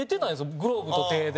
グローブと手で。